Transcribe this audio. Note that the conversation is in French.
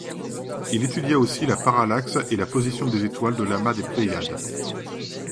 Il étudia aussi la parallaxe et la position des étoiles de l'amas des Pléiades.